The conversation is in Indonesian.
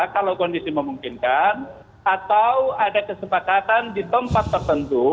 kalau kondisi memungkinkan atau ada kesepakatan di tempat tertentu